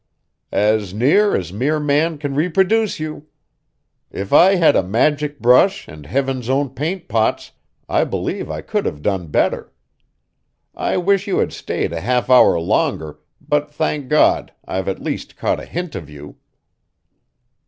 "As near as mere man can reproduce you. If I had a magic brush and heaven's own paint pots, I believe I could have done better. I wish you had stayed a half hour longer, but thank God, I've at least caught a hint of you!"